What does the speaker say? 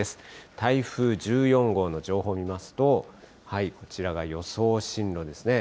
台風１４号の情報を見ますと、こちらが予想進路ですね。